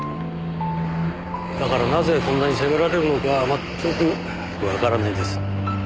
だからなぜこんなに責められるのか全くわからないんです。